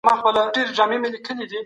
د رایې پټوالی د ټاکنو روڼتیا تضمینوي.